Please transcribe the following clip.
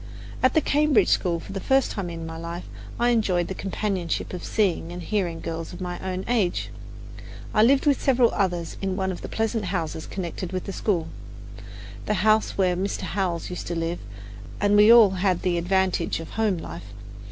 At the Cambridge school, for the first time in my life, I enjoyed the companionship of seeing and hearing girls of my own age. I lived with several others in one of the pleasant houses connected with the school, the house where Mr. Howells used to live, and we all had the advantage of home life.